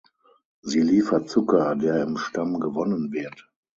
Sie liefert Zucker, der im Stamm gewonnen wird.